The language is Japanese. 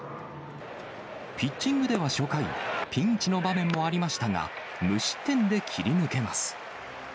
ピッチングでは初回、ピンチの場面もありましたが、無失点で切り抜けます。